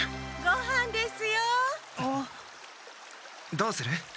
どうする？